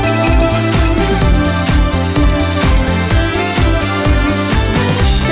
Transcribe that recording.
วิธีกรรมการศำส๑๙๑๘